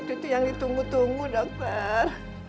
itu yang ditunggu tunggu dokter